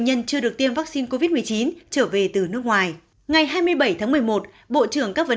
nhân chưa được tiêm vaccine covid một mươi chín trở về từ nước ngoài ngày hai mươi bảy tháng một mươi một bộ trưởng các vấn